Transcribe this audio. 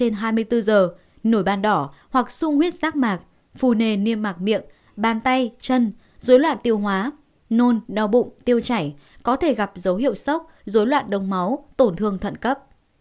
nổi ban đỏ hoặc sung huyết rác mạc phù nề niêm mạc miệng ban tay chân dối loạn tiêu hóa nôn đau bụng tiêu chảy có thể gặp dấu hiệu sốc dối loạn đông máu tổn thương thận cấp